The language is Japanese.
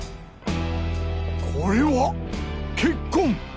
これは血痕！？